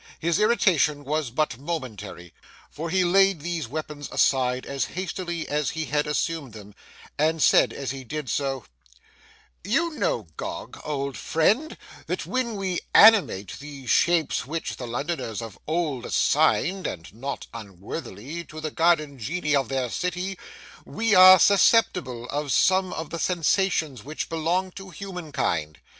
His irritation was but momentary, for he laid these weapons aside as hastily as he had assumed them, and said as he did so: 'You know, Gog, old friend, that when we animate these shapes which the Londoners of old assigned (and not unworthily) to the guardian genii of their city, we are susceptible of some of the sensations which belong to human kind.